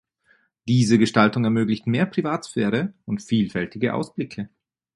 Diese Gestaltung ermöglicht mehr Privatsphäre und vielfältige Ausblicke.